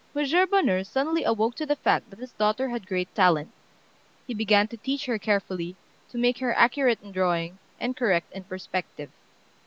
Monsieur Bonheur suddenly awoke to the fact that his daughter had great talent. He began to teach her carefully, to make her accurate in drawing, and correct in perspective.